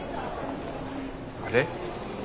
あれ？